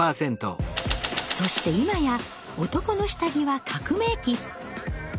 そして今や男の下着は革命期。